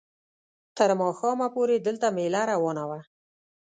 تر ماښامه پورې دلته مېله روانه وه.